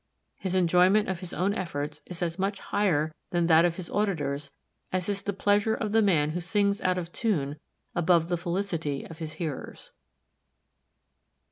His enjoyment of his own efforts is as much higher than that of his auditors as is the pleasure of the man who sings out of tune above the felicity of his hearers.